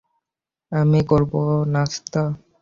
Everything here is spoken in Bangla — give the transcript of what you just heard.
আমি করবো নাস্তা।